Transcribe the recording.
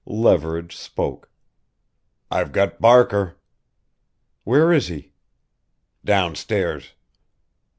Leverage spoke "I've got Barker." "Where is he?" "Downstairs."